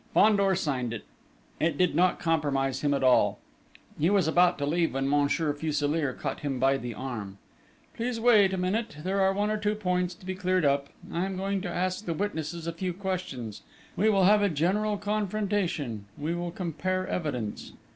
Fandor signed it. It did not compromise him at all. He was about to leave when Monsieur Fuselier caught him by the arm. "Please wait a minute! There are one or two points to be cleared up: I am going to ask the witnesses a few questions: we will have a general confrontation we will compare evidence!"